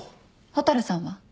蛍さんは？